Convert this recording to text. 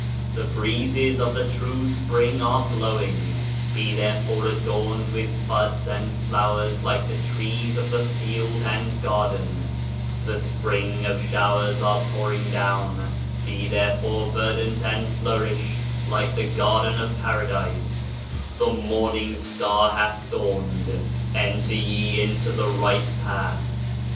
The Breezes of the true Spring are blowing; be therefore adorned with buds and flowers like the trees of the field and garden I The Spring Showers are pouring down, be therefore verdant and flourish, like the Garden of Paradise I The Morning Star hath dawned I Enter ye into the Right Path!